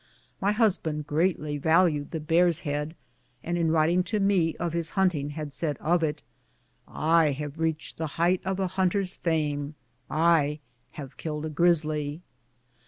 (My husband greatly valued the bear's head, and in writing to me of his hunting had said of it: "I have reached the height of a hunter's fame — I have killed a grisly.")